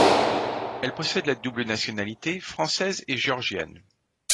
Elle possède la double nationalité, française et géorgienne.